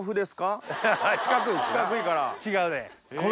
違うね。